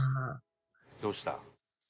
「どうした？」